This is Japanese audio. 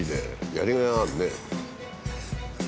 やりがいがあるね。